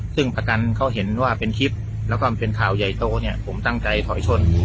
ซึ่งประกันเขาเห็นว่าเป็นคลิปแล้วก็มันเป็นข่าวใหญ่โตเนี่ยผมตั้งใจถอยชน